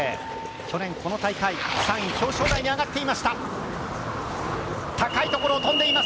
去年この大会３位、表彰台に上がっていました。